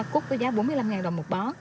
có giá bốn mươi năm đồng một bó